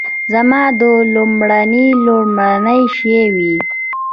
زما د نوملړ لومړنی شی وي.